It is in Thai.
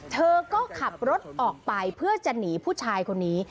เธอก็ขับรถออกไปเพื่อจะหนีผู้ชายคนนี้